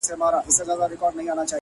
• آفتونه یې له خپله لاسه زېږي ,